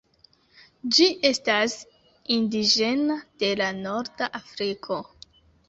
Ĝi estas indiĝena de norda Afriko.